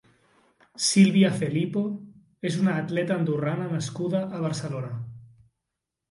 Silvia Felipo és una atleta andorrana nascuda a Barcelona.